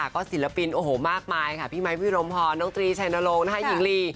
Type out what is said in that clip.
ก็ศิลปินมากมายพี่ไม้พี่ลมพรน้องตรีชัยนรงหญิงลี